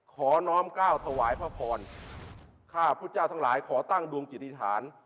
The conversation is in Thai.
น้อมก้าวถวายพระพรข้าพุทธเจ้าทั้งหลายขอตั้งดวงจิตธิษฐาน